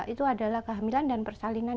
itu adalah kehamilan dan persalinan